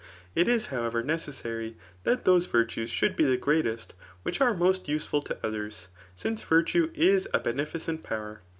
It is however necessary, that those virtues should be the greatest which are most useful to others ttnce virtue is a beneficent power.